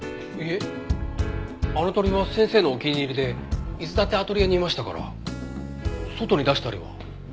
いえあの鳥は先生のお気に入りでいつだってアトリエにいましたから外に出したりは。